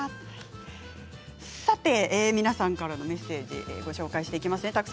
皆さんからのメッセージご紹介していきますね。